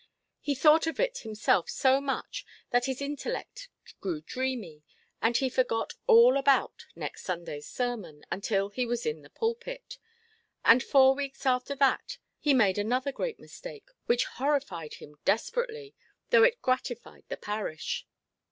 He thought of it himself so much, that his intellect grew dreamy, and he forgot all about next Sundayʼs sermon, until he was in the pulpit. And four weeks after that he made another great mistake, which horrified him desperately, though it gratified the parish.